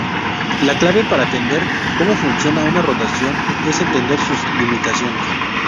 La clave para entender cómo funciona una rotación es entender sus limitaciones.